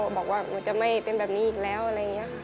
บอกว่าหนูจะไม่เป็นแบบนี้อีกแล้วอะไรอย่างนี้ค่ะ